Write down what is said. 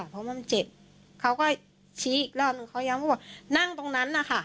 เพราะมันเจ็บเขาก็ชี้อีกรอบนึงเขายังพูดบอกนั่งตรงนั้นนะคะ